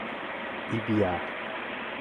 Ibiá